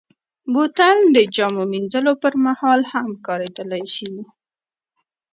بوتل د جامو مینځلو پر مهال هم کارېدلی شي.